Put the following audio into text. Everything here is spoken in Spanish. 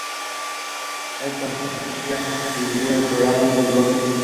Este consiste efectivamente en dividir el programa en dos bloques.